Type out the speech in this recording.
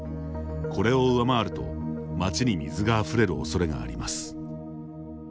これを上回ると街に水があふれるおそれがあります。